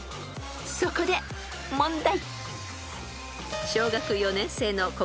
［そこで問題］